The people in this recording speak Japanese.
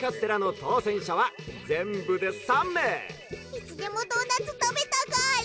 いつでもドーナツ食べたガール！